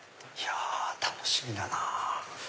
楽しみだなぁ。